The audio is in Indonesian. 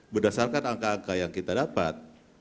berdasarkan angka angka yang kita dapat